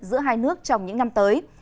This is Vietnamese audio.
giữa hai nước trong những năm tới